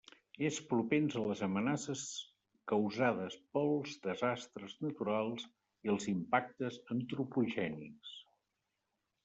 És propens a les amenaces causades pels desastres naturals i els impactes antropogènics.